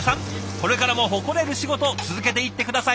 これからも誇れる仕事続けていって下さいね！